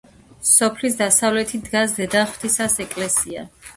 სოფლის დასავლეთით დგას დედაღვთისას ეკლესია.